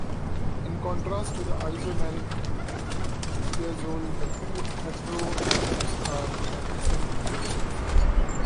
In contrast to the isomeric thiazole, the two heteroatoms are in adjacent positions.